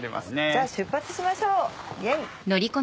じゃあ出発しましょうイェイ。